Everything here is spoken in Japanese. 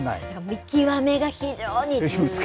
見極めが非常に重要。